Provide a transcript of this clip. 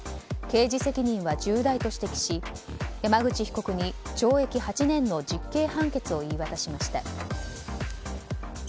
刑事責任は重大と指摘し山口被告に懲役８年の実刑判決を言い渡しました。